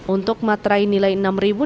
untuk matrai nilai enam ribu dijual